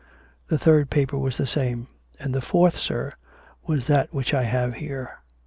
The third paper was the same; and the fourth, sir, was that which I have here."